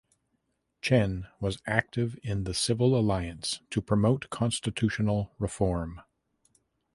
Chen was active in the Civil Alliance to Promote Constitutional Reform.